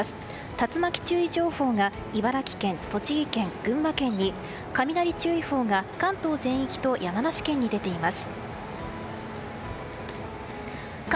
竜巻注意情報が茨城県、栃木県、群馬県に雷注意報が関東全域と山梨県に出ています。